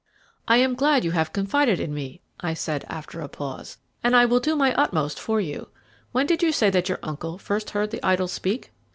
"I am glad you have confided in me," I said after a pause, "and I will do my utmost for you. When did you say that your uncle first heard the idol speak?"